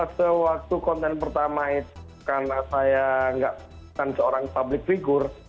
sewaktu konten pertama itu karena saya bukan seorang public figure